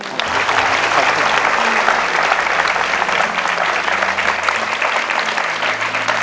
ขอบคุณครับ